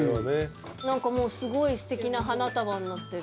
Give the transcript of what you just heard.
何かもうすごいすてきな花束になってる。